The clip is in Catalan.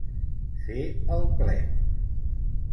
Fer el ple.